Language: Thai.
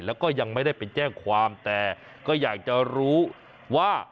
แล้วก็ยังไม่ได้ไปแจ้งความแต่ก็อยากจะรู้ว่า